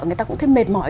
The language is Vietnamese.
người ta cũng thấy mệt mỏi